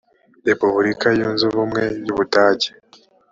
repubulika yunze ubumwe yubudage